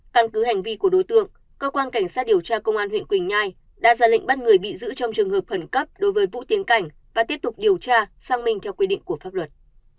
căn cứ hành vi của đối tượng cơ quan cảnh sát điều tra công an huyện quỳnh nhai đã ra lệnh bắt người bị giữ trong trường hợp khẩn cấp đối với vũ tiến cảnh và tiếp tục điều tra sang mình theo quy định của pháp luật